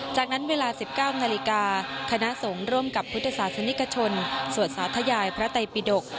จากนั้นเวลา๑๙นาฬิกาคณะสงฆ์ร่วมกับพุทธศาสนิกชนสวดสาธยายพระไตปิดก